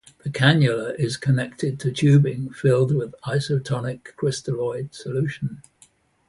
The cannula is connected to tubing filled with isotonic crystalloid solution.